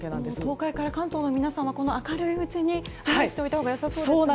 東海から関東の皆さんは明るいうちに準備しておいたほうが良さそうですね。